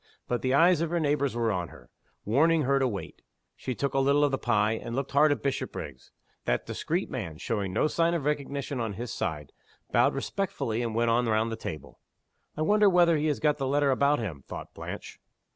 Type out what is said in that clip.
But the eyes of her neighbors were on her, warning her to wait. She took a little of the pie, and looked hard at Bishopriggs. That discreet man, showing no sign of recognition on his side, bowed respectfully, and went on round the table. "I wonder whether he has got the letter about him?" thought Blanche.